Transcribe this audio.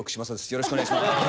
よろしくお願いします。